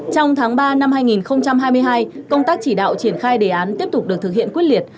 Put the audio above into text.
trong tháng ba năm hai nghìn hai mươi hai công tác chỉ đạo triển khai đề án tiếp tục được thực hiện quyết liệt